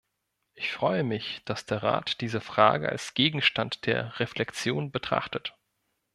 Ich freue mich, dass der Rat diese Frage als Gegenstand der Reflexion betrachtet.